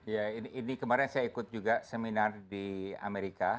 ya ini kemarin saya ikut juga seminar di amerika